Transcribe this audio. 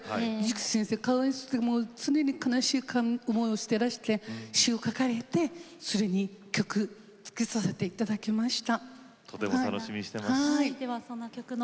木先生かわいそうで常に悲しい思いをされていて詞を書かれてそれに曲をつけさせていただきました。